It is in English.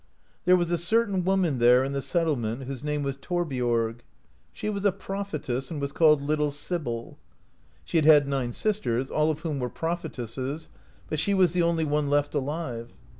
There was a certain woman there in the settlement, whose name was Thorbiorg. She was a prophetess, and was called Little Sibyl (31). She had had nine sisters, all of whom were prophetesses, but she was the only one left alive.